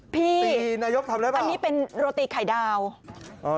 พี่อันนี้เป็นโรตี้ไข่ดาว